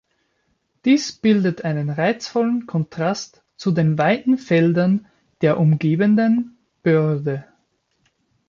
Dies bildet einen reizvollen Kontrast zu den weiten Feldern der umgebenden Börde.